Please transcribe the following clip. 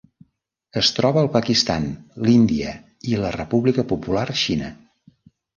Es troba al Pakistan, l'Índia i la República Popular Xina.